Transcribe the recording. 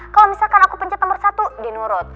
kalau misalkan aku pencet nomor satu di nurut